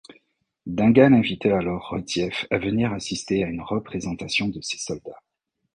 Dingane invita alors Retief à venir assister à une représentation de ses soldats.